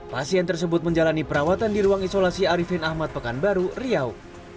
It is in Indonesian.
pasien tersebut menjalani perawatan di ruang isolasi arifin ahmad pekanbaru riau